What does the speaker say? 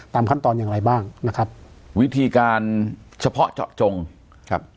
ขั้นตอนอย่างไรบ้างนะครับวิธีการเฉพาะเจาะจงครับ